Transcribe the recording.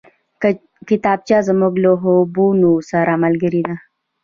کتابچه زموږ له خوبونو سره ملګرې ده